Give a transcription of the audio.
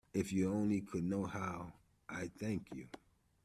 If you only could know how I thank you.